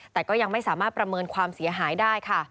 แต่ก็ยังไม่สามารถประเมินความเสียหายได้ค่ะ